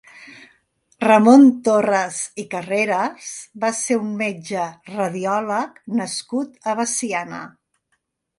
Ramon Torres i Carreras va ser un metge radiòleg nascut a Veciana.